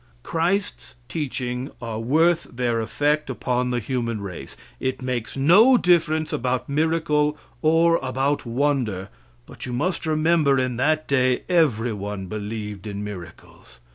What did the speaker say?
Christ's teachings are worth their effect upon the human race. It makes no difference about miracle or about wonder, but you must remember in that day every one believed in miracles.